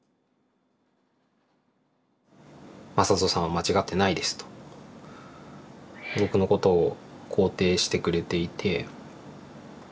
「まさとさんは間違っていないです」と僕のことを肯定してくれていて。